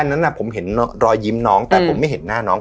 นั้นผมเห็นรอยยิ้มน้องแต่ผมไม่เห็นหน้าน้อง